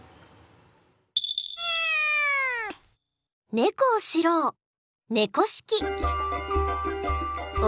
ネコを知ろう「猫識」。